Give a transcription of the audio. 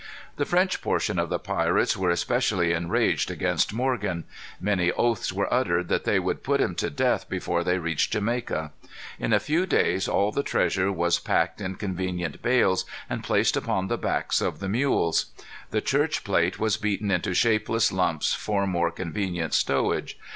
The French portion of the pirates were especially enraged against Morgan. Many oaths were uttered that they would put him to death before they reached Jamaica. In a few days all the treasure was packed in convenient bales, and placed upon the backs of the mules. The church plate was beaten into shapeless lumps for more convenient stowage.